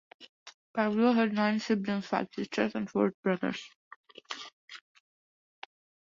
Pavlo had nine siblings: five sisters and four brothers.